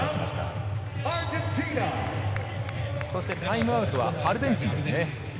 そしてタイムアウトはアルゼンチンですね。